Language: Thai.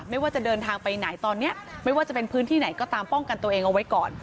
ไม่ว่าจะเดินทางไปไหนตอนนี้ไม่ว่าจะเป็นพื้นที่ไหนก็ตามป้องกันตัวเองเอาไว้ก่อน